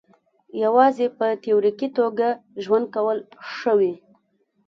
یوازې په تیوریکي توګه ژوند کول ښه وي.